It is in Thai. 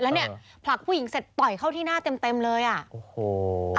แล้วเนี่ยผลักผู้หญิงเสร็จต่อยเข้าที่หน้าเต็มเต็มเลยอ่ะโอ้โห